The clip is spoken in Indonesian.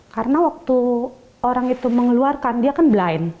karena waktu orang itu mengeluarkan dia kan blind